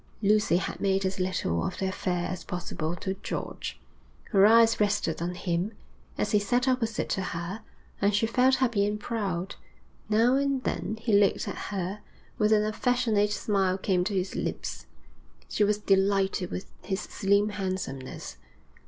Lucy had made as little of the affair as possible to George. Her eyes rested on him, as he sat opposite to her, and she felt happy and proud. Now and then he looked at her, and an affectionate smile came to his lips. She was delighted with his slim handsomeness.